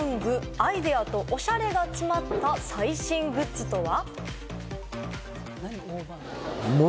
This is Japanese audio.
アイデアとおしゃれが詰まった最新グッズとは？